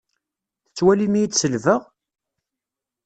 Tettwalim-iyi selbeɣ?